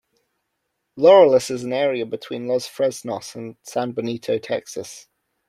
Laureles is an area between Los Fresnos and San Benito, Texas.